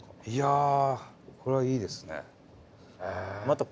いやこれはいいですね。